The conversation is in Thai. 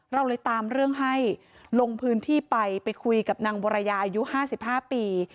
เราเลยตามเรื่องให้ลงพื้นที่ไปไปคุยกับนางวรยาอายุ๕๕ปี